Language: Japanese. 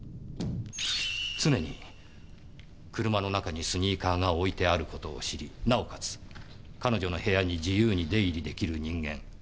常に車の中にスニーカーが置いてあることを知りなおかつ彼女の部屋に自由に出入りできる人間。